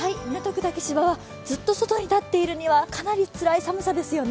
竹芝は、ずっと外に立っているにはかなり、つらい寒さですよね。